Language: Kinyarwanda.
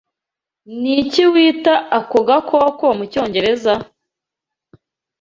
Niki wita ako gakoko mucyongereza?